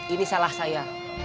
ini salah saya